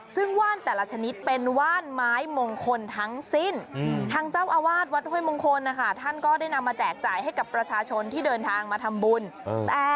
ซึ่งว่านแต่ละชนิดเป็นว่านไม้มงคลทั้งสิ้นทางเจ้าอาวาศวัดฮวยมงคลนะท่านก็ได้นำมาแจกจ่ายให้กับประชาชนที่เดินทางมาทำบุญแต่แจกเพียสแค่วันเดียวเท่านั้น